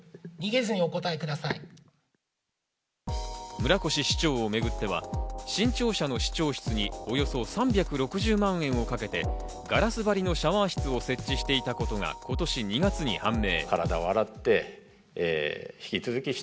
村越市長をめぐっては新庁舎の市長室におよそ３６０万円をかけて、ガラス張りのシャワー室を設置していたことが今年２月に判明。